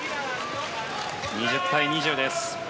２０対２０です。